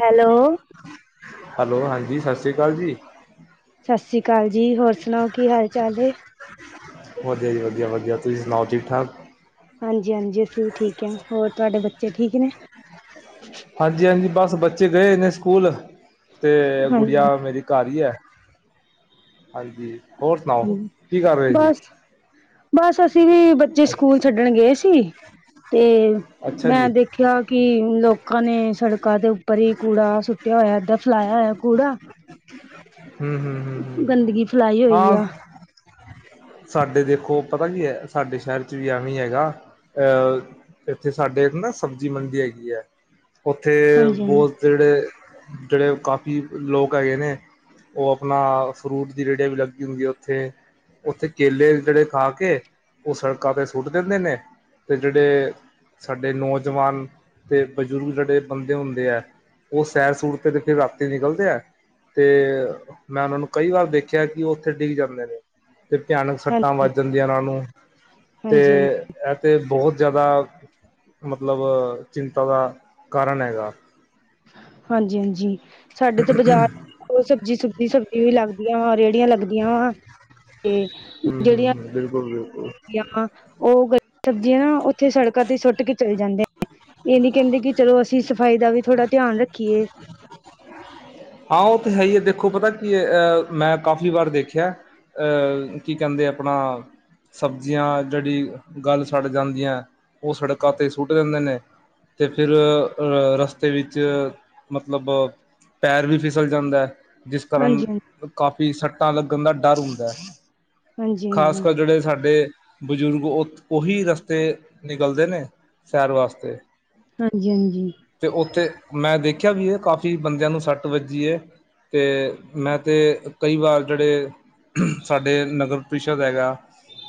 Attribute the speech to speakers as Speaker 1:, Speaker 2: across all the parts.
Speaker 1: Hello
Speaker 2: hello ਹਾਂਜੀ ਸਾਸ੍ਰੀਕਾਲ ਜੀ।
Speaker 1: ਸਾਸਰੀਕਾਲ ਜੀ ਹੋਰ ਸੁਣਾਓ ਕੀ ਹਾਲ ਚਾਲ ਨੇ?
Speaker 2: ਵਧੀਆ ਜੀ ਵਧੀਆ, ਵਧੀਆ ਤੁਸੀ ਸੁਣਾਓ ਠੀਕ ਠਾਕ?
Speaker 1: ਹਾਂਜੀ, ਹਾਂਜੀ ਅਸੀਂ ਵੀ ਠੀਕ ਐ ਹੋਰ ਤੁਆਡੇ ਬੱਚੇ ਠੀਕ ਨੇ?
Speaker 2: ਹਾਂਜੀ, ਹਾਂਜੀ ਬਸ ਬੱਚੇ ਗਏ ਨੇ ਸਕੂਲ ਤੇ ਗੁੜੀਆ
Speaker 1: ਹਾਂਜੀ,
Speaker 2: ਮੇਰੀ ਘਰ ਈ ਆ। ਹਾਂਜੀ ਹੋਰ ਸੁਣਾਓ ਕੀ ਕਰ ਰਹੇ ਸੀ
Speaker 1: ਬਸ, ਬਸ ਅਸੀਂ ਵੀ ਬ ਚੇ ਸਕੂਲ ਛੱਡਣ ਗਏ ਸੀ ਤੇ
Speaker 2: ਅੱਛਾ ਜੀ
Speaker 1: ਮੈਂ ਦੇਖਿਆ ਕਿ ਲੋਕਾਂ ਨੇ ਸੜਕਾਂ ਦੇ ਉੱਪਰ ਹੀ ਕੂੜਾ ਸੁੱਟਿਆ ਹੋਇਆ ਏਦਾਂ ਫੈਲਾਇਆ ਹੋਇਆ ਕੂੜਾ ਕਿ [inaudible]
Speaker 2: ਹੂੰ, ਹੂੰ, ਹੂੰ, ਹੂੰ।
Speaker 1: ਫੈਲਾਈ ਹੋਈ ਆ।
Speaker 2: ਸਾਡੇ ਦੇਖੋ ਪਤਾ ਕੀ ਐ ਸਾਡੇ ਸ਼ਹਿਰ 'ਚ ਵੀ ਐਵੇਂ ਈ ਹੈਗਾ ਅ ਏਥੇ ਸਾਡੇ ਨਾ ਸਬਜ਼ੀ ਮੰਡੀ ਹੇਗੀ ਐ ਓਥੇ
Speaker 1: ਹਾਂਜੀ ਹਾਂਜੀ,
Speaker 2: ਬੌਤ ਜੇੜੇ ਜੇੜੇ ਕਾਫ਼ੀ ਲੋਗ ਹੈਗੇ ਨੇ। ਓ ਆਪਣਾ ਫਰੂਟ ਦੀ ਰੇਹੜੀਆਂ ਵੀ ਲੱਗੀ ਹੁੰਦੀ ਓਥੇ। ਓਥੇ ਕੇਲੇ ਵੀ ਜੇੜੇ ਖਾ ਕੇ ਓ ਸੜਕਾਂ ਤੇ ਸੁੱਟ ਦਿੰਦੇ ਨੇ ਤੇ ਜੇੜੇ ਸਾਡੇ ਨੌਜਵਾਨ ਤੇ ਬਜ਼ੁਰਗ ਜੇੜੇ ਬੰਦੇ ਹੁੰਦੇ ਐ। ਓ ਸੈਰ ਸੂਰ ਤੇ ਫਿਰ ਰਾਤੀ ਨਿਕਲਦੇ ਐ। ਤੇ ਮੈਂ ਓਨਾਂ ਨੂੰ ਕਈ ਵਾਰ ਦੇਖਿਆ ਕਿ ਓ ਓਥੇ ਡਿੱਗ ਜਾਂਦੇ ਨੇ। ਤੇ ਭਿਆਨਕ ਸੱਟਾਂ
Speaker 1: ਹਾਂਜੀ
Speaker 2: ਵੱਜ ਜਾਂਦੀਆਂ ਓਨਾਂ ਨੂੰ ਤੇ
Speaker 1: ਹਾਂਜੀ ਹਾਂਜੀ,
Speaker 2: ਐ ਤੇ ਬਹੁਤ ਜ਼ਿਆਦਾ ਮਤਲਬ ਚਿੰਤਾ ਦਾ ਕਾਰਨ ਹੈਗਾ।
Speaker 1: ਹਾਂਜੀ-ਹਾਂਜੀ ਸਾਡੇ ਤੇ ਬਾਜ਼ਾਰ ਓ ਸਬਜ਼ੀ ਸੁਬਜੀ, ਸਬਜ਼ੀ ਵੀ ਲੱਗਦੀ ਆਂ ਰੇੜੀਆਂ ਲੱਗਦੀਆਂ ਵਾ ਤੇ ਜੇੜੀਆਂ
Speaker 2: ਬਿਲਕੁਲ-ਬਿਲਕੁਲ।
Speaker 1: ਜਾਂ ਓ ਗਲੀ ਸਬਜ਼ੀਆਂ ਨਾ ਉੱਥੇ ਸੜਕਾਂ ਤੇ ਸੁੱਟ ਕੇ ਚਲੇ ਜਾਂਦੇ ਨੇ। ਏਨੀ ਕੈਦੇ ਕਿ ਚਲੋ ਅਸੀਂ ਸਫ਼ਾਈ ਦਾ ਵੀ ਥੋੜ੍ਹਾ ਧਿਆਨ ਰੱਖੀਏ।
Speaker 2: ਹਾਂ ਓ ਤਾਂ ਹੈ ਈ ਐ ਦੇਖੋ ਪਤਾ ਕੀ ਏ ਮੈਂ ਕਾਫ਼ੀ ਵਾਰ ਦੇਖਿਆ। ਐ ਕੀ ਕਹਿੰਦੇ ਆਪਣਾ ਸਬਜ਼ੀਆਂ ਜੇੜੀ ਗੱਲ ਸੜ੍ਹ ਜਾਂਦੀਆਂ ਓ ਸੜਕਾਂ ਤੇ ਸੁੱਟ ਦਿੰਦੇ ਨੇ। ਤੇ ਫੇਰ ਰਸਤੇ ਵਿੱਚ ਮਤਲਬ ਪੈਰ ਵੀ ਫਿਸਲ ਜਾਂਦਾ ਜਿਸ ਕਾਰਨ
Speaker 1: ਹਾਂਜੀ
Speaker 2: ਕਾਫੀ ਸੱਟਾਂ ਲੱਗਣ ਦਾ ਡਰ ਹੁੰਦਾ ਹੈ
Speaker 1: ਹਾਂਜੀ
Speaker 2: ਖ਼ਾਸ
Speaker 1: ਹਾਂਜੀ
Speaker 2: ਕਰ ਜੇੜੇ ਸਾਡੇ ਬਜ਼ੁਰਗ ਉਹੀ ਰਸਤੇ ਨਿਕਲਦੇ ਨੇ ਸੈਰ ਵਾਸਤੇ।
Speaker 1: ਹਾਂਜੀ-ਹਾਂਜੀ।
Speaker 2: ਤੇ ਉੱਥੇ ਮੈਂ ਦੇਖਿਆ ਵੀ ਕਾਫ਼ੀ ਬੰਦੇਆਂ ਨੂੰ ਸੱਟ ਵੱਜੀ ਐ। ਤੇ ਮੈਂ ਤੇ ਕਈ ਵਾਰ ਜੇੜੇ। ਸਾਡੇ ਨਗਰ ਪ੍ਰੀਸਦ ਹੈਗਾ।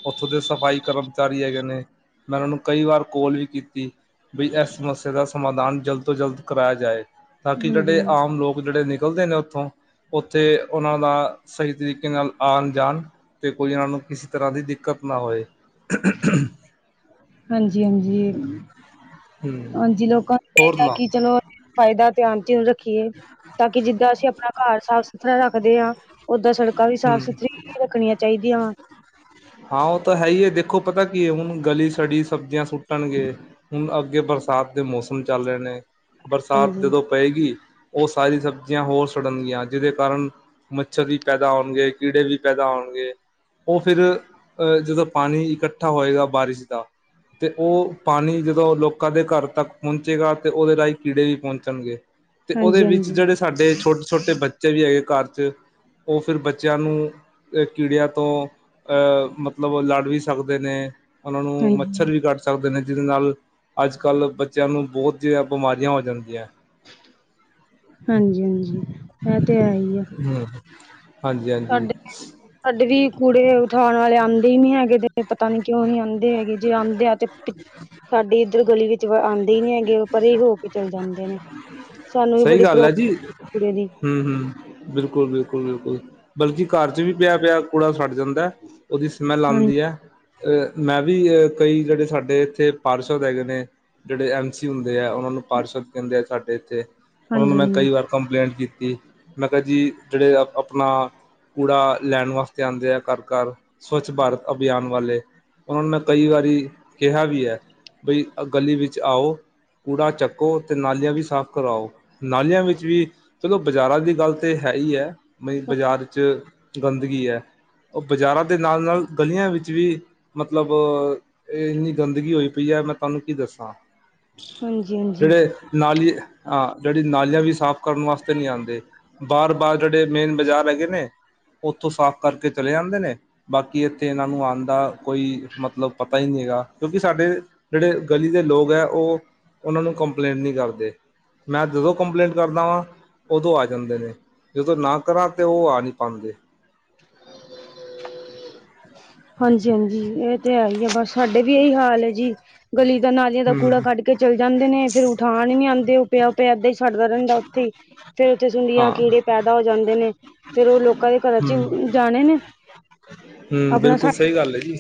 Speaker 2: ਉੱਥੋਂ ਦੇ ਸਫ਼ਾਈ ਕਰਮਚਾਰੀ ਹੈਗੇ ਨੇ ਮੈਂ ਓਨਾ ਨੂੰ ਕਈ ਵਾਰ ਕੋਲ ਵੀ ਕੀਤੀ। ਵੀ ਏਸ ਸਮੱਸਿਆ ਦਾ ਸਮਾਧਾਨ ਜਲਦ ਤੋਂ ਜਲਦ ਕਰਾਇਆ ਜਾਏ ਤਾਂ ਕਿ
Speaker 1: ਹਾਂਜੀ
Speaker 2: ਜੇੜੇ ਆਮ ਲੋਕ ਜੇੜੇ ਨਿਕਲਦੇ ਨੇ ਉੱਥੋਂ ਉੱਥੇ ਉਨਾਂ ਦਾ ਸਹੀ ਤਰੀਕੇ ਨਾਲ ਆਣ-ਜਾਣ ਤੇ ਕੋਈ ਏਨਾਂ ਨੂੰ ਕਿਸੇ ਤਰ੍ਹਾਂ ਦੀ ਦਿੱਕਤ ਨਾ ਹੋਏ।
Speaker 1: ਹਾਂਜੀ, ਹਾਂਜੀ,
Speaker 2: ਹਮ
Speaker 1: ਹਾਂਜੀ ਲੋਕਾਂ ਨੂੰ
Speaker 2: ਹੋਰ
Speaker 1: ਚਾਈਦਾ
Speaker 2: ਸੁਣਾਓ
Speaker 1: ਕਿ ਚਲੋ ਫਾਇਦਾ ਧਿਆਨ ਸਿਰ ਰੱਖੀਏ ਤਾਂ ਕਿ ਜਿੱਦਾਂ ਅਸੀਂ ਆਪਣਾ ਘਰ ਸਾਫ਼-ਸੁਥਰਾ ਰੱਖਦੇ ਹਾਂ। ਓਦਾਂ ਸੜਕਾਂ ਵੀ
Speaker 2: ਹਮ
Speaker 1: ਸਾਫ਼-ਸੁਥਰੀਆਂ ਰੱਖਣੀਆਂ ਚਾਈਦੀਆਂ ਵਾ।
Speaker 2: ਹਾਂ ਓਤਾਂ ਹੈ ਈ ਏ ਦੇਖੋ ਪਤਾ ਕੀ ਹੈ ਹੁਣ ਗਲੀ ਸੜੀ ਸਬਜ਼ੀਆਂ ਸੁੱਟਣਗੇ ਹੁਣ ਅੱਗੇ ਬਰਸਾਤ ਦੇ ਮੌਸਮ ਚੱਲ ਰਹੇ ਨੇ ਬਰਸਾਤ
Speaker 1: ਹਾਂਜੀ
Speaker 2: ਜਦੋਂ ਪਏਗੀ ਓ ਸਾਰੀ ਸਬਜ਼ੀਆਂ ਹੋਰ ਸੜਨਗੀਆਂ ਜਿਹਦੇ ਕਾਰਨ ਮੱਛਰ ਵੀ ਪੈਦਾ ਹੋਣਗੇ ਕੀੜੇ ਵੀ ਪੈਦਾ ਹੋਣਗੇ। ਓ ਫਿਰ ਐ ਜਦੋਂ ਪਾਣੀ ਇਕੱਠਾ ਹੋਏਗਾ ਬਾਰਿਸ਼ ਦਾ। ਅਤੇ ਓ ਪਾਣੀ ਜਦੋਂ ਲੋਕਾਂ ਦੇ ਘਰ ਤੱਕ ਪੌਂਚੇਗਾ ਅਤੇ ਉਹਦੇ ਰਾਹੀਂ ਕੀੜੇ ਵੀ ਪੌਂਚਣਗੇ। ਤੇ ਓਦੇ
Speaker 1: ਹਾਂਜੀ
Speaker 2: ਵਿੱਚ
Speaker 1: ਹਾਂਜੀ
Speaker 2: ਜੇੜੇ ਸਾਡੇ ਛੋਟੇ-ਛੋਟੇ ਬੱਚੇ ਵੀ ਹੈਗੇ ਘਰ ਚ ਓ ਫਿਰ ਬੱਚਿਆਂ ਨੂੰ ਕੀੜਿਆਂ ਤੋਂ ਮਤਲਬ ਓ ਲੜ ਵੀ ਸਕਦੇ ਨੇ ਉਹਨਾਂ ਨੂੰ
Speaker 1: ਹਾਂਜੀ
Speaker 2: ਮੱਛਰ ਵੀ ਕੱਟ ਸਕਦੇ ਨੇ ਜੀਦੇ ਨਾਲ ਅੱਜਕੱਲ੍ਹ ਬੱਚੇਆਂ ਨੂੰ ਬੋਤ ਜਿਆ ਬਿਮਾਰੀਆਂ ਹੋ ਜਾਂਦੀਆਂ।
Speaker 1: ਹਾਂਜੀ-ਹਾਂਜੀ ਐ ਤੇ ਹੈ ਹੀ ਆ।
Speaker 2: ਹੂੰ, ਹਾਂਜੀ-ਹਾਂਜੀ।
Speaker 1: ਤੁਹਾਡੇ ਸਾਡੇ ਵੀ ਕੂੜੇ ਉਠਾਣ ਵਾਲੇ ਆਂਦੇ ਨੀ ਹੈਗੇ ਤੇ ਪਤਾ ਨੀ ਕਿਉਂ ਹੀ ਆਂਦੇ ਹੈਗੇ ਜੇ ਆਂਦੇ ਆ ਸਾਡੀ ਇੱਧਰ ਗਲੀ ਵਿੱਚ ਆਂਦੇ ਈ ਨੀ ਹੈਗੇ ਪਰੇ ਈ ਹੋ ਕੇ ਚਲੇ ਜਾਂਦੇ ਨੇ ਸਾਨੂੰ ਵੀ ਬੜੀ
Speaker 2: ਸਹੀ ਗੱਲ
Speaker 1: ਪ੍ਰੋਬ
Speaker 2: ਹੈ ਜੀ ਹੂੰ-ਹੂੰ, ਬਿਲਕੁਲ, ਬਿਲਕੁਲ, ਬਿਲਕੁਲ ਬਲਕਿ ਘਰ ਚ ਵੀ ਪਿਆ-ਪਿਆ ਕੂੜਾ ਸੜ ਜਾਂਦਾ। ਓਦੀ ਸਮੈਲ
Speaker 1: ਹਾਂਜੀ
Speaker 2: ਆਂਦੀ ਐ। ਅ ਮੈਂ ਵੀ ਅ ਕਈ ਜੇੜੇ ਸਾਡੇ ਇੱਥੇ ਪਾਰਸ਼ਲ ਰੈਗੇ ਨੇ। ਜੇੜੇ ਐਮ ਸੀ ਹੁੰਦੇ ਆ ਓਨਾਂ ਨੂੰ ਪਾਰਿਸ਼ਦ ਕੈਦੇ ਆ ਸਾਡੇ ਐਥੇ ਓਨਾਂ ਨੂੰ
Speaker 1: ਹਾਂਜੀ
Speaker 2: ਮੈਂ ਕਈ ਵਾਰ ਕੰਪਲੇਂਟ ਕੀਤੀ ਮੈਂ ਕਿਹਾ ਜੀ ਜੇੜੇ ਅ ਆਪਣਾ ਕੂੜਾ ਲੈਣ ਵਾਸਤੇ ਆਂਦੇ ਆ ਘਰ-ਘਰ ਸਵੱਛ ਭਾਰਤ ਅਭਿਆਨ ਵਾਲੇ ਓਨਾ ਨੂੰ ਮੈਂ ਕਈ ਵਾਰੀ ਕਿਹਾ ਵੀ ਹੈ ਬਈ ਆ ਗਲੀ ਵਿੱਚ ਆਓ। ਕੂੜਾ ਚੱਕੋ ਤੇ ਨਾਲੀਆਂ ਵੀ ਸਾਫ਼ ਕਰਾਓ ਨਾਲੀਆਂ ਵਿੱਚ ਵੀ ਚਲੋ ਬਾਜ਼ਾਰਾਂ ਦੀ ਗੱਲ ਤੇ ਹੈ ਹੀ ਹੈ ਬਈ ਬਾਜ਼ਾਰ ਚ ਗੰਦਗੀ ਹੈ ਉਹ ਬਾਜ਼ਾਰਾਂ ਦੇ ਨਾਲ ਨਾਲ ਗਲੀਆਂ ਵਿੱਚ ਵੀ ਮਤਲਬ ਏਨੀ ਗੰਦਗੀ ਹੋਈ ਪਈ ਐ ਮੈਂ ਤਾਨੂੰ ਕੀ ਦੱਸਾਂ।
Speaker 1: ਹਾਂਜੀ ਹਾਂਜੀ
Speaker 2: ਜੜੇ ਨਾਲੀ ਹਾਂ ਜੇੜੀ ਨਾਲੀਆਂ ਵੀ ਸਾਫ਼ ਕਰਨ ਵਾਸਤੇ ਨੀ ਆਂਦੇ। ਬਾਰ-ਬਾਰ ਜੇੜੇ ਮੇਨ ਬਾਜ਼ਾਰ ਹੈਗੇ ਨੇ ਉੱਥੋਂ ਸਾਫ਼ ਕਰਕੇ ਚਲੇ ਜਾਂਦੇ ਨੇ ਬਾਕੀ ਐਥੇ ਏਨਾਂ ਨੂੰ ਆਣ ਦਾ ਕੋਈ ਮਤਲਬ ਪਤਾ ਈ ਨੀ ਹੈਗਾ। ਕਿਉਂਕਿ ਸਾਡੇ ਜੇੜੇ ਗਲੀ ਦੇ ਲੋਕ ਐ ਓ ਓਨਾਂ ਨੂੰ ਕੰਪਲੇਂਟ ਨੀ ਕਰਦੇ ਮੈਂ ਜਦੋਂ ਕੰਪਲੇਂਟ ਕਰਦਾ ਵਾਂ ਓਦੋਂ ਆ ਜਾਂਦੇ ਨੇ ਜਦੋਂ ਨਾ ਕਰਾਂ ਤੇ ਓ ਆ ਨੀ ਪਾਂਦੇ।
Speaker 1: ਹਾਂਜੀ-ਹਾਂਜੀ ਏ ਤੇ ਹੈ ਈ ਆ ਬਸ ਸਾਡੇ ਵੀ ਏਹੀ ਹਾਲ ਹੈ ਜੀ ਗਲੀ ਦਾਂ ਨਾਲੀਆਂ ਦਾ ਕੂੜਾ ਕੱਡ ਕੇ ਚੱਲ ਜਾਂਦੇ ਨੇ ਫੇਰ ਉਠਾਣ ਈ ਨੀ ਆਂਦੇ ਓ ਪਯਾ-ਪਯਾ ਏਦਾਂ ਈ ਸੜਦਾ ਰੈੰਦਾ ਓਥੇ ਈ। ਫੇਰ ਉੱਥੇ ਸੁੰਡੀਆਂ
Speaker 2: ਹਾਂ
Speaker 1: ਕੀੜੇ ਪੈਦਾ ਹੋ ਜਾਂਦੇ ਨੇ ਫੇਰ ਓ ਲੋਕਾਂ ਦੇ ਘਰਾਂ ਚ ਈ ਜਾਣੇ ਨੇ।
Speaker 2: ਹੂੰ
Speaker 1: ਆਪਣਾ
Speaker 2: ਬਿਲਕੁਲ ਸਹੀ
Speaker 1: ਸਾਡੇ
Speaker 2: ਗੱਲ ਏ ਜੀ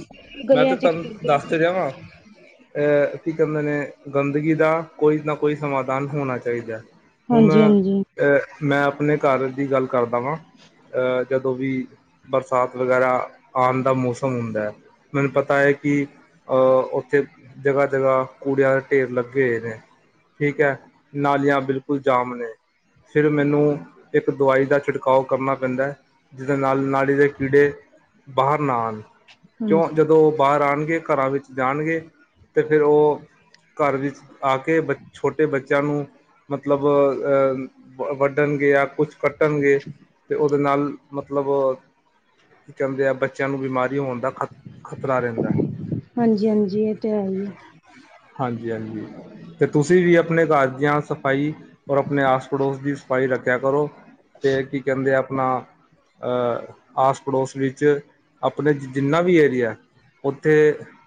Speaker 2: ਮੈਂ ਤੇ
Speaker 1: ਗਲੀਆਂ ਚ
Speaker 2: ਤਾਨੂੰ ਦੱਸ
Speaker 1: ਖੇਡਦੇ
Speaker 2: ਤੇ ਰੇਹਾ ਵਾਂ। ਅਹ ਕੀ ਕੈੰਦੇ ਨੇ ਗੰਦਗੀ ਦਾ ਕੋਈ ਨਾ ਕੋਈ ਸਮਾਧਾਨ ਹੋਣਾ ਚਾਇਦੈ। ਹੁਣ
Speaker 1: ਹਾਂਜੀ ਹਾਂਜੀ
Speaker 2: ਅਹ ਮੈਂ ਆਪਣੇ ਘਰ ਦੀ ਗੱਲ ਕਰਦਾ ਵਾਂ ਅਹ ਜਦੋਂ ਵੀ ਬਰਸਾਤ ਵਗੈਰਾ ਆਣ ਦਾ ਮੌਸਮ ਹੁੰਦਾ। ਮੈਨ ਪਤਾ ਏ ਕਿ ਉੱਥੇ ਜਗ੍ਹਾ-ਜਗ੍ਹਾ ਕੂੜਿਆਂ ਦੇ ਢੇਰ ਲੱਗੇ ਏ ਨੇ। ਠੀਕ ਹੈ ਨਾਲੀਆਂ ਬਿਲਕੁਲ ਜਾਮ ਨੇ। ਫਿਰ ਮੈਨੂੰ ਇੱਕ ਦਵਾਈ ਦਾ ਛਿੜਕਾਓ ਕਰਨਾ ਪੈਂਦਾ। ਜਿਦੇ ਨਾਲ ਨਾਲੀ ਦੇ ਕੀੜੇ ਬਾਹਰ ਨਾ ਆਣ ਕਿਉਂ
Speaker 1: ਹਾਂਜੀ
Speaker 2: ਜਦੋਂ ਬਾਹਰ ਆਣਗੇ ਘਰਾਂ ਵਿੱਚ ਜਾਣਗੇ ਤੇ ਫਿਰ ਓ ਕਾਰ ਵਿੱਚ ਆ ਕੇ ਬ ਛੋਟੇ ਬੱਚਿਆਂ ਨੂੰ ਮਤਲਬ ਅ ਵਢਣ ਗੇ ਯਾ ਕੁਛ ਕੱਟਣਗੇ ਤੇ ਓਦੇ ਨਾਲ ਮਤਲਬ ਕੀ ਕੈੰਦੇ ਆ ਬੱਚ ਬੱਚਿਆਂ ਨੂੰ ਬਿਮਾਰੀ ਹੋਣ ਦਾ ਖ਼ਤ ਖਤਰਾ ਰੈੰਦਾ।
Speaker 1: ਹਾਂਜੀ ਹਾਂਜੀ ਇਹ ਤੇ ਹੈ ਹੀ ਹੈ
Speaker 2: ਹਾਂਜੀ-ਹਾਂਜੀ। ਤੇ ਤੁਸੀਂ ਵੀ ਆਪਣੇ ਘਰ ਦੀਆਂ ਸਫਾਈ ਔਰ ਆਪਣੇ ਆਸ- ਪੜੋਸ ਦੀ ਸਫਾਈ ਰੱਖਿਆ ਕਰੋ। ਤੇ ਕੀ ਕੈੰਦੇ ਆ ਆਪਣਾ ਅਹ ਆਸ-ਪੜੋਸ ਵਿੱਚ ਆਪਣੇ ਜਿੰਨਾ ਵੀ ਏਰੀਆ ਉੱਥੇ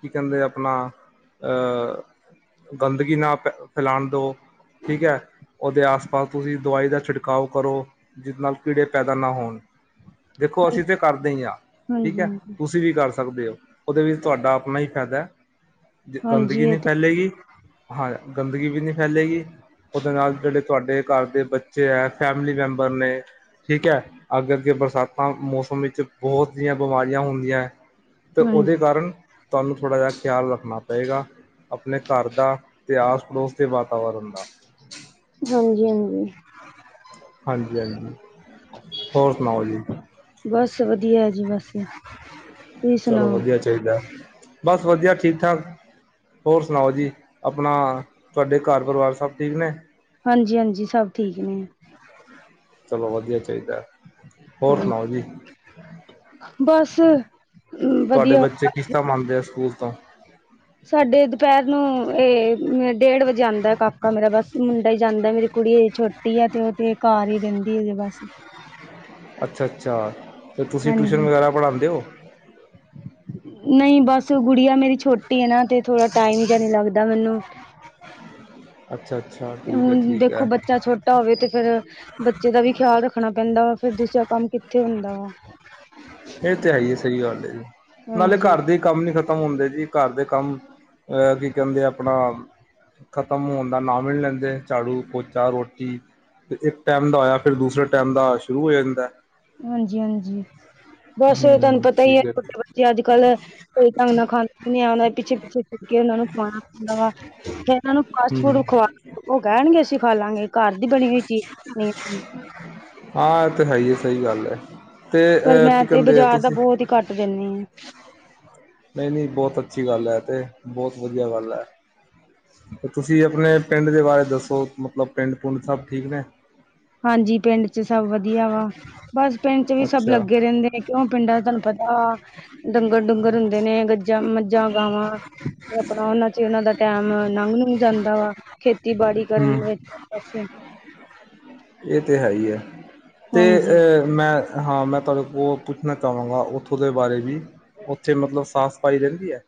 Speaker 2: ਕੀ ਕੈੰਦੇ ਆਪਣਾ ਅ ਗੰਦਗੀ ਨਾ ਫੈਲਾਣ ਦੋ। ਠੀਕ ਹੈ ਉਹਦੇ ਆਸ-ਪਾਸ ਤੁਸੀਂ ਦਵਾਈ ਦਾ ਛਿੜਕਾਓ ਕਰੋ। ਜਿਸ ਨਾਲ ਕੀੜੇ ਪੈਦਾ ਨਾ ਹੋਣ ਦੇਖੋ ਅਸੀਂ ਤੇ ਕਰਦੇ ਆ
Speaker 1: ਹਾਂ ਹਾਂਜੀ
Speaker 2: ਠੀਕ ਐ
Speaker 1: ਹਾਂਜੀ
Speaker 2: ਤੁਸੀਂ ਵੀ ਕਰ ਸਕਦੇ ਓ ਓਦੇ ਵਿੱਚ ਤੁਹਾਡਾ ਆਪਣਾ ਹੀ ਫੈਦਾ
Speaker 1: ਹਾਂਜੀ
Speaker 2: ਗੰਦਗੀ
Speaker 1: ਇਹ
Speaker 2: ਨਹੀਂ
Speaker 1: ਤੇ
Speaker 2: ਫੈਲੇਗੀ ਹਾਂ ਗੰਦਗੀ ਵੀ ਨੀ ਫੈਲੇਗੀ। ਉਹਦੇ ਨਾਲ ਜਿਹੜੇ ਤੁਹਾਡੇ ਘਰ ਦੇ ਬੱਚੇ ਐ ਫੈਮਿਲੀ ਮੈਂਬਰ ਨੇ ਠੀਕ ਐ ਅੱਗੇ-ਅੱਗੇ ਬਰਸਾਤਾਂ ਮੌਸਮ ਵਿੱਚ ਬੋਤ ਦੀਆਂ ਬਿਮਾਰੀਆਂ ਹੁੰਦੀਐ ਤੇ
Speaker 1: ਹਾਂਜੀ
Speaker 2: ਓਦੇ ਕਾਰਨ ਤੁਹਾਨੂੰ ਥੋੜ੍ਹਾ ਜਿਹਾ ਖਿਆਲ ਰੱਖਣਾ ਪਏਗਾ ਆਪਣੇ ਘਰ ਦਾ ਅਤੇ ਆਸ-ਪੜੋਸ ਦੇ ਵਾ ਵਰਨ ਦਾ
Speaker 1: ਹਾਂਜੀ-ਹਾਂਜੀ।
Speaker 2: ਹਾਂਜੀ-ਹਾਂਜੀ।
Speaker 1: ਬਸ ਵਧੀਆ ਏ ਜੀ ਬਸ ਤੁਸੀਂ ਸੁਣਾਓ?
Speaker 2: ਕੀਦਾ, ਬਸ ਵਧੀਆ ਠੀਕ ਠਾਕ। ਹੋਰ ਸੁਣਾਓ ਜੀ, ਆਪਣਾ ਤੁਹਾਡੇ ਘਰ ਪਰਿਵਾਰ ਸਭ ਠੀਕ ਨੇ?
Speaker 1: ਹਾਂਜੀ ਹਾਂਜੀ ਸਭ ਠੀਕ ਨੇ।
Speaker 2: ਚਲੋ ਵਧੀਆ ਹੀ ਚਾਹੀਦਾ ਐ, ਹੋਰ
Speaker 1: ਹਾਂ
Speaker 2: ਸੁਣਾਓ ਜੀ?
Speaker 1: ਬਸ
Speaker 2: ਤੁਹਾਡੇ
Speaker 1: ਵਧੀਆ
Speaker 2: ਬੱਚੇ ਕਿਸ ਟਾਈਮ ਆਂਨਦੇ ਸਕੂਲ ਤੋਂ?
Speaker 1: ਸਾਡੇ ਦੁਪਹਿਰ ਨੂੰ ਏ ਮੇ ਡੇਢ ਵਜੇ ਆਦਾਂ ਕਾਕਾ ਮੇਰਾ ਬਸ ਮੁੰਡਾ ਜਾਂਦਾ ਮੇਰੀ ਕੁੜੀੇ ਛੋਟੀ ਆ ਤੇ ਤੇ ਘਰ ਹੀ ਰਹਿੰਦੀ ਹੈ ਅਜੇ ਬਸ
Speaker 2: ਅੱਛਾ ਅੱਛਾ ਤੇ ਤੁਸੀਂ ਟਿਊਸ਼ਨ
Speaker 1: ਹਾਂਜੀ
Speaker 2: ਵਗੈਰਾ ਪੜ੍ਹਾਉਂਦੇ ਓ?
Speaker 1: ਨਹੀਂ ਬਸ ਗੁੜੀਆ ਮੇਰੀ ਛੋਟੀ ਹੈ ਨਾ ਤੇ ਥੋੜ੍ਹਾ ਟਾਈਮ ਜਿਹਾ ਨਹੀਂ ਲੱਗਦਾ ਮੈਨੂੰ।
Speaker 2: ਅੱਛਾ ਅੱਛਾ। ਠੀਕ ਹੈ
Speaker 1: ਹੂੰ
Speaker 2: ਠੀਕ
Speaker 1: ਦੇਖੋ
Speaker 2: ਹੈ
Speaker 1: ਬੱਚਾ ਛੋਟਾ ਹੋਵੇ ਤੇ ਫੇਰ ਬੱਚੇ ਦਾ ਵੀ ਖਿਆਲ ਰੱਖਣਾ ਪੈਂਦਾ ਵਾ ਫੇਰ ਦੂਸਰਾ ਕੰਮ ਕਿੱਥੇ ਹੁੰਦਾ ਵਾ।
Speaker 2: ਇਹ ਤੇ ਹੈ ਹੀ ਹੈ ਸਹੀ ਗੱਲ ਏ, ਨਾਲੇ
Speaker 1: ਹਾਂਜੀ
Speaker 2: ਘਰ ਦੇ ਕੰਮ ਨੀ ਖ਼ਤਮ ਹੁੰਦੇ ਜੀ ਘਰ ਦੇ ਕੰਮ, ਅਹ ਕੀ ਕਹਿੰਦੇ ਆਪਣਾ ਖਤ ਖਤਮ ਹੋਣ ਦਾ ਨਾਮ ਈ ਨੀ ਲੈਂਦੇ ਝਾੜੂ, ਪੋਚਾ ਰੋਟੀ ਇੱਕ ਟਾਈਮ ਦਾ ਹੋਇਆ ਫਿਰ ਦੂਸਰੇ ਟੈਮ ਦਾ ਸ਼ੁਰੂ ਹੋ ਜਾਂਦਾ ਐ।
Speaker 1: ਹਾਂਜੀ ਹਾਂਜੀ, ਬਸ ਤੁਹਾਨੂੰ
Speaker 2: ਹਮ
Speaker 1: ਪਤਾ ਹੀ ਹੈ
Speaker 2: ਠੀਕ
Speaker 1: ਛੋਟੇ ਬੱਚੇ ਅੱਜ ਕੱਲ ਕੋਈ ਢੰਗ ਨਾਲ ਖਾਂਦੇ ਨੀ ਐ ਉਨਾਂ ਦੇ ਪਿੱਛੇ- ਪਿੱਛੇ ਫਿਰਕੇ ਉਹ ਨੂੰ ਖਾਣਾ ਖੁਵਾਣਾ ਪੈਂਦਾ ਵਾ, ਫੇਰ ਇਨ੍ਹਾਂ ਨੂੰ ਫਾਸਟ
Speaker 2: ਹਮ
Speaker 1: ਫੂਡ ਖੁਵਾ ਲੋ ਉਹ ਕਹਿਣਗੇ ਅਸੀਂ ਖਾ ਲਾਂਗੇ ਘਰ ਦੀ ਬਣੀ ਹੋਈ ਚੀਜ਼ ਬਣੀ ਨੀ ਖਾ
Speaker 2: ਹਾਂ ਇਹ ਤੇ ਹੈ ਹੀ ਹੈ ਸਹੀ ਗੱਲ ਹੈ, ਤੇ
Speaker 1: ਪਰ
Speaker 2: ਅ
Speaker 1: ਮੈਂ
Speaker 2: ਕੀ
Speaker 1: ਤੇ
Speaker 2: ਕਹਿੰਦੇ
Speaker 1: ਬਾਜ਼ਾਰ ਦਾ
Speaker 2: ਤੁਸੀਂ
Speaker 1: ਬਹੁਤ ਹੀ ਘੱਟ ਦਿੰਦੀ ਆ।
Speaker 2: ਨਈ- ਨਈ ਬਹੁਤ ਅੱਛੀ ਗੱਲ ਐ ਤੇ ਬਹੁਤ ਵਧੀਆ ਗੱਲ ਐ। ਤੇ ਤੁਸੀਂ ਆਪਣੇ ਪਿੰਡ ਦੇ ਬਾਰੇ ਦੱਸੋ ਮਤਲਬ ਪਿੰਡ- ਪੁੰਡ ਸਭ ਠੀਕ ਨੇ?
Speaker 1: ਹਾਂਜੀ ਪਿੰਡ ਚ ਸਭ ਵਧੀਆ ਵਾ। ਬਸ ਪਿੰਡ ਚ ਵੀ ਸਭ
Speaker 2: ਅੱਛਾ
Speaker 1: ਲੱਗੇ ਰਹਿੰਦੇ ਨੇ ਕਿਉਂ ਪਿੰਡਾਂ ਚ ਤੁਹਾਨੂੰ ਪਤਾ, ਡੰਗਰ- ਡੁੰਗਰ ਹੁੰਦ ਨੇ ਗੱਜਾਂ ਮੱਝਾਂ, ਗਾਵਾਂ ਮਤਲਬ ਉਹਨਾਂ ਚ ਉਹਨਾਂ ਦਾ ਟੈਮ ਲੰਘ -ਲੁੰਗ ਜਾਂਦਾ ਵਾ। ਖੇਤੀਬਾੜੀ ਕਰਨ
Speaker 2: ਹੂੰ
Speaker 1: ਵਿੱਚ ਬਸ
Speaker 2: ਇਹ ਤਾਂ ਹੈ ਹੀ ਐ, ਤੇ
Speaker 1: ਹਾਂਜੀ
Speaker 2: ਅ ਮੈਂ ਹਾਂ ਮੈਂ ਤੁਹਾਡੇ ਕੋਲ ਪੁੱਛਣਾ ਚਾਹਵਾਂਗਾ ਉੱਥੋਂ ਦੇ ਬਾਰੇ ਵੀ, ਉੱਥੇ ਮਤਲਬ ਸਾਫ- ਸਫਾਈ ਰਹਿੰਦੀ ਹੈ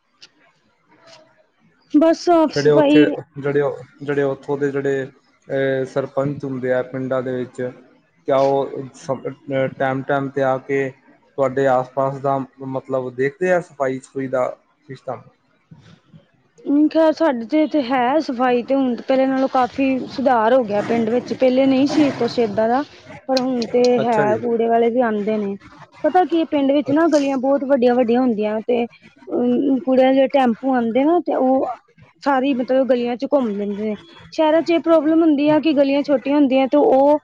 Speaker 1: ਬਸ ਸਾਫ਼
Speaker 2: ਜਿਹੜੇ ਉੱਥੇ
Speaker 1: ਸਫ਼ਾਈ
Speaker 2: ਜਿਹੜੇ -ਜਿਹੜੇ ਉੱਥੋਂ ਦੇ ਜਿਹੜੇ ਸਰਪੰਚ ਹੁੰਦੇ ਆ ਪਿੰਡਾਂ ਦੇ ਵਿੱਚ ਕਿਆ ਉਹ ਸੰਰਪ ਟਾਈਮ -ਟਾਈਮ 'ਤੇ ਆ ਕੇ ਤੁਹਾਡੇ ਆਸ, ਪਾਸ ਦਾ ਮਤਲਬ ਦੇਖਦੇ ਆ ਸਫ਼ਾਈ- ਸਫਾਈ ਦਾ ਰਿਸ਼ਟਮ।
Speaker 1: ਨੀ ਖੈਰ ਸਾਡੇ ਤੋ ਤੇ ਹੈ ਸਫ਼ਾਈ ਤੇ ਹੁਣ ਪਹਿਲੇ ਨਾਲੋਂ ਕਾਫ਼ੀ ਸੁਧਾਰ ਹੋ ਗਿਆ ਪਿੰਡ ਵਿੱਚ ਪਹਿਲੇ ਨਹੀਂ ਸੀ। ਕੁਛ ਏਦਾਂ ਦਾ, ਪਰ ਹੁਣ ਤੇ
Speaker 2: ਅੱਛਾ
Speaker 1: ਹੈ
Speaker 2: ਜੀ
Speaker 1: ਕੂੜੇ ਵਾਲੇ ਵੀ ਆਉਂਦੇ ਨੇ। ਪਤਾ ਕੀ ਪਿੰਡ ਵਿੱਚ ਨਾ
Speaker 2: ਅੱਛਾ,
Speaker 1: ਗਲੀਆਂ ਬਹੁਤ ਵੱਡੀਆਂ- ਵੱਡੀਆਂ ਹੁੰਦੀਆਂ ਤੇ ਅਮ ਕੂੜੇ ਦੇ ਟੈਂਪੂ ਆਉਂਦੇ ਨਾ ਤੇ ਉਹ, ਸਾਰੀ ਮਤਲਬ ਗਲੀਆਂ ਚ ਘੁੰਮ ਦਿੰਦੇ ਨੇ। ਸ਼ਹਿਰਾਂ ਚ ਇਹ ਪ੍ਰੋਬਲਮ ਹੁੰਦੀ ਹੈ ਕਿ ਗਲੀਆਂ ਛੋਟੀਆਂ ਹੁੰਦੀਆਂ ਤੇ ਉਹ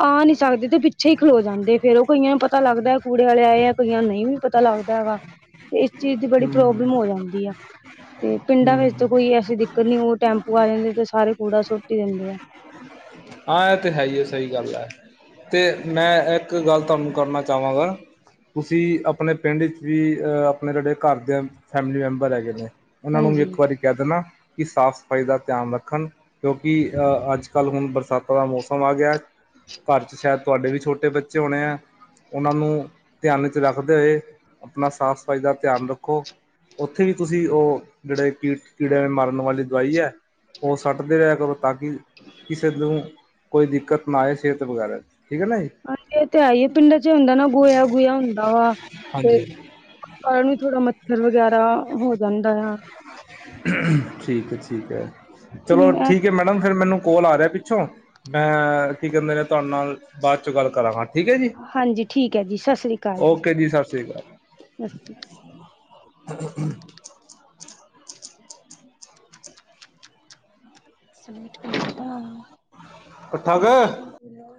Speaker 1: ਆ ਨੀ ਸਕਦੇ ਤੇ ਪਿੱਛੇ ਹੀ ਖਲੋ ਜਾਂਦੇ ਫੇਰ ਉਹ ਕਈਆਂ ਨੂੰ ਪਤਾ ਲੱਗਦਾ ਕੂੜੇ ਵਾਲੇ ਆਏ ਐ ਕਈਆਂ ਨਹੀਂ ਵੀ ਪਤਾ ਲੱਗਦਾ ਹੈਗਾ, ਤੇ ਇਸ ਚੀਜ਼ ਦੀ ਬੜੀ
Speaker 2: ਹੂੰ
Speaker 1: ਪ੍ਰੋਬਲਮ ਹੋ ਜਾਂਦੀ ਐ। ਤੇ ਪਿੰਡਾਂ
Speaker 2: ਹੂੰ
Speaker 1: ਵਿੱਚ
Speaker 2: ਹੂੰ।
Speaker 1: ਤਾਂ ਕੋਈ ਐਸੀ ਦਿੱਕਤ ਨੀ ਉਹ ਟੈਂਪੂ ਆ ਜਾਂਦੇ ਤੇ ਸਾਰੇ ਕੂੜਾ ਸੁੱਟੀ ਹੀ ਦਿੰਦੇ ਐ।
Speaker 2: ਹਾਂ ਇਹ ਤੇ ਹੈ ਹੀ ਸਹੀ ਗੱਲ ਐ। ਤੇ ਮੈਂ ਇੱਕ ਗੱਲ ਤੁਹਾਨੂੰ ਕਰਨਾ ਚਾਹਵਾਂਗਾ। ਤੁਸੀਂ ਆਪਣੇ ਪਿੰਡ 'ਚ ਵੀ, ਆਪਣੇ ਜਿਹੜੇ ਘਰ ਦੇ ਫੈਮਿਲੀ ਮੈਂਬਰ ਹੈਗੇ ਨੇ, ਉਹਨਾਂ ਨੂੰ, ਵੀ
Speaker 1: ਹਾਂਜੀ,
Speaker 2: ਇੱਕ ਵਾਰੀ ਕਹਿ ਦੇਣਾ ਕਿ, ਸਾਫ਼ ਸਫ਼ਾਈ ਦਾ ਧਿਆਨ ਰੱਖਣ ਕਿਉਂਕਿ, ਅੱਜ -ਕੱਲ੍ਹ ਹੁਣ ਬਰਸਾਤਾਂ ਦਾ ਮੌਸਮ ਆ ਗਿਆ ਘਰ 'ਚ ਸ਼ਾਇਦ ਤੁਹਾਡੇ ਵੀ ਛੋਟੇ ਬੱਚੇ ਹੋਣੇ ਆ, ਉਹਨਾਂ ਨੂੰ ਧਿਆਨ ਚ ਰੱਖਦੇ ਹੋਏ ਆਪਣਾ, ਸਾਫ਼ ਸਫ਼ਾਈ ਦਾ ਧਿਆਨ ਰੱਖੋ, ਉੱਥੇ ਵੀ ਤੁਸੀਂ ਉਹ ਜਿਹੜੇ ਕੀ ਕੀੜਿਆਂ ਮਰ ਣੋਂ ਵਾਲੀ ਦਵਾਈ ਹੈ, ਉਹ ਸੱਟਦੇ ਰਿ ਕਰੋ ਤਾਂ ਕਿ, ਕਿਸੇ ਨੂੰ, ਕੋਈ ਦਿੱਕਤ ਨਾ ਆਏ, ਸਿਹਤ ਵਗੈਰਾ, ਠੀਕ ਹੈ ਨਾ ਜੀ
Speaker 1: ਹਾਂਜੀ, ਇਹ ਤੇ, ਹੈ ਹੀਏ ਪਿੰਡਾਂ ਚ ਹੁੰਦਾ ਨਾ,, ਗੋਇਆ- ਗੋਆ ਹੁੰਦਾ ਵਾ
Speaker 2: ਹਾਂਜੀ।
Speaker 1: ਉਸ ਕਾਰਨ ਵੀ, ਥੋੜਾ ਮੱਛਰ ਵਗੈਰਾ ਹੋ ਜਾਂਦਾ ਆ
Speaker 2: ਠੀਕ ਹੈ- ਠੀਕ ਹੈ ਚਲੋ
Speaker 1: ਹੂੰ,
Speaker 2: ਠੀਕ ਹੈ ਮੈਡਮ ਚੱਲੋ ਫਿਰ ਮੈਨੂੰ ਕੋਲ ਆ ਰਿਹਾ ਪਿੱਛੋਂ, ਮੈਂ ਕੀ ਕਹਿੰਦੇ ਨੇ ਤੁਹਾਡੇ ਨਾਲ ਬਾਅਦ ਚ ਗੱਲ ਕਰਾਂਗਾ ਠੀਕ ਹੈ ਜੀ
Speaker 1: ਹਾਂਜੀ, ਠੀਕ ਹੈ ਜੀ, ਸਤਿ ਸ੍ਰੀ ਅਕਾਲ ਜੀ।
Speaker 2: ਓਕੇ ਸਤਿ ਸ਼੍ਰੀ ਹਮ [inaudible]
Speaker 1: ਸੁ [inaudible]
Speaker 2: ਅੱ ਠਗ